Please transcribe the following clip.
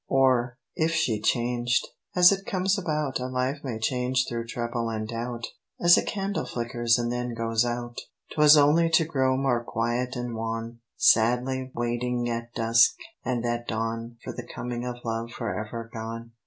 Or, if she changed, as it comes about A life may change through trouble and doubt, As a candle flickers and then goes out, 'Twas only to grow more quiet and wan, Sadly waiting at dusk and at dawn For the coming of love forever gone.